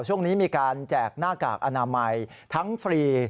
ช่วงนี้มีการแจกหน้ากากอนามัยทั้งฟรี